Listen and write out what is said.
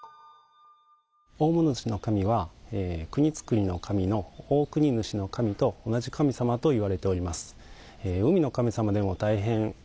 （大物主神は国造りの神の大国主神と同じ神様といわれております。